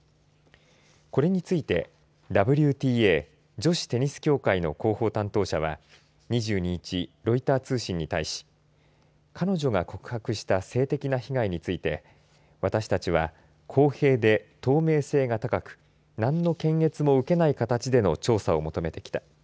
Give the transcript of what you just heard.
これについてＷＴＡ女子テニス協会の広報担当者は２２日、ロイター通信に対し彼女が告白した性的な被害について私たちは公平で透明性が高く何の検閲も受けない形での調査を求めてきた。